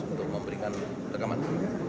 untuk memberikan rekaman